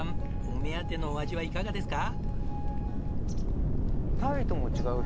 お目当てのお味はいかがですか？